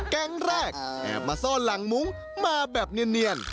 แก๊งแรกแอบมาซ่อนหลังมุ้งมาแบบเนียน